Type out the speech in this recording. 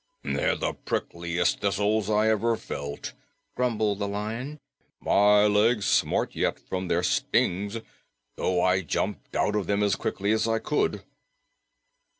"They're the prickliest thistles I ever felt," grumbled the Lion. "My legs smart yet from their stings, though I jumped out of them as quickly as I could."